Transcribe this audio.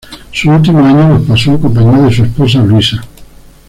Sus últimos años los pasó en compañía de su esposa Luisa.